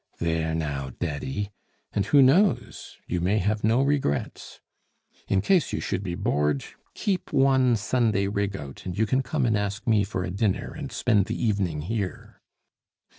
There now, Daddy! And who knows! you may have no regrets. In case you should be bored, keep one Sunday rig out, and you can come and ask me for a dinner and spend the evening here."